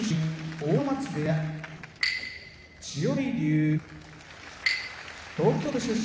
阿武松部屋千代大龍東京都出身